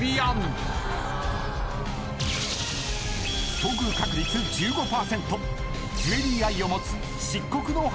［遭遇確率１５％］